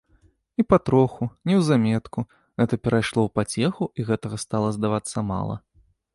І патроху, неўзаметку, гэта перайшло ў пацеху і гэтага стала здавацца мала.